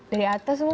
dari atas mungkin